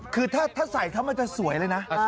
คือถ้าใส่ถ้ามันจะสวยเลยนะ